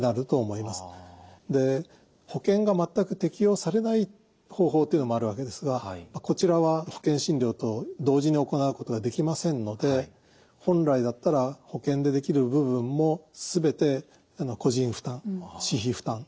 保険が全く適用されない方法というのもあるわけですがこちらは保険診療と同時に行うことができませんので本来だったら保険でできる部分も全て個人負担私費負担。